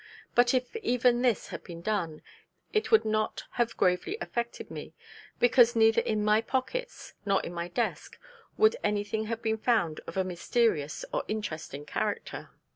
But if even this had been done, it would not have gravely affected me; because neither in my pockets nor in my desk, would anything have been found of a mysterious or interesting character.